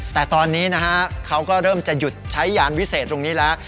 แต่ตอนนี้นะฮะเขาก็เริ่มจะหยุดใช้ยานวิเศษตรงนี้แล้ว